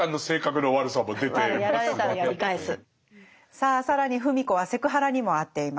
さあ更に芙美子はセクハラにも遭っています。